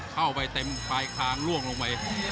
เข้าไปเต็มปลายคางล่วงลงไป